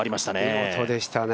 見事でしたね。